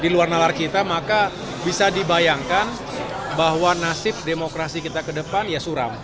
maka kita bisa dibayangkan bahwa nasib demokrasi kita ke depan ya suram